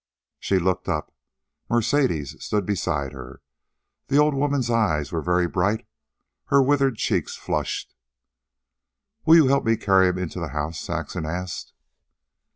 She looked up. Mercedes stood beside her. The old woman's eyes were very bright, her withered cheeks flushed. "Will you help me carry him into the house?" Saxon asked.